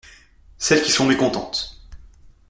Celles qui sont mécontentes.